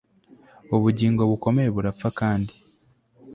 Ubugingo bukomeye burapfa kandi